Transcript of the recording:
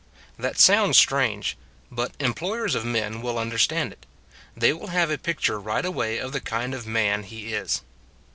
That sounds strange; but employers of men will understand it: they will have a picture right away of the kind of man he is.